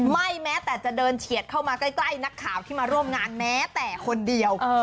แม้แต่จะเดินเฉียดเข้ามาใกล้นักข่าวที่มาร่วมงานแม้แต่คนเดียว